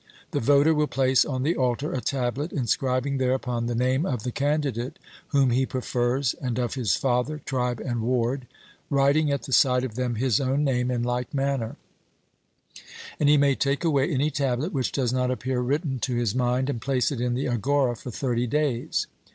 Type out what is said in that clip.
The voter will place on the altar a tablet, inscribing thereupon the name of the candidate whom he prefers, and of his father, tribe, and ward, writing at the side of them his own name in like manner; and he may take away any tablet which does not appear written to his mind, and place it in the Agora for thirty days.